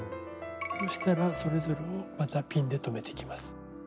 そうしたらそれぞれをまたピンで留めていきます。